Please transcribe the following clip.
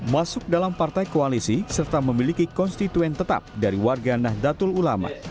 masuk dalam partai koalisi serta memiliki konstituen tetap dari warga nahdlatul ulama